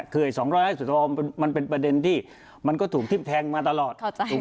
๒๕๐ฟองมันเป็นประเด็นที่มันก็ถูกทิบแทงมาตลอด